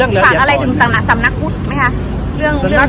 สุดท้ายเท่าไหร่